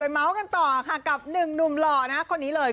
เมาส์กันต่อค่ะกับหนึ่งหนุ่มหล่อนะคนนี้เลย